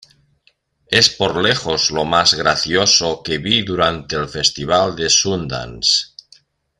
Es por lejos lo más gracioso que vi durante el Festival de Sundance".